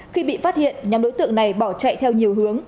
khi bị phát hiện nhóm đối tượng này bỏ chạy theo nhiều hướng